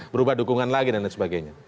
berubah dukungan lagi dan lain sebagainya